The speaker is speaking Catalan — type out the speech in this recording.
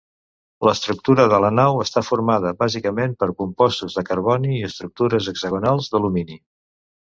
L'estructura de la nau està formada bàsicament per compostos de carboni i estructures hexagonals d'alumini.